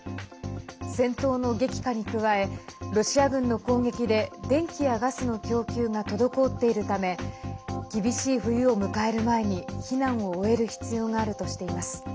戦闘の激化に加えロシア軍の攻撃で電気やガスの供給が滞っているため厳しい冬を迎える前に避難を終える必要があるとしています。